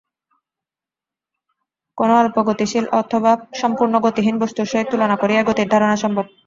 কোন অল্প গতিশীল অথবা সম্পূর্ণ গতিহীন বস্তুর সহিত তুলনা করিয়াই গতির ধারণা সম্ভব।